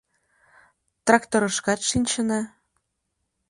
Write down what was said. Тракторышкат шинчына.